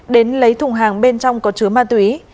đến lấy thùng hàng bên trong có chứa ma túy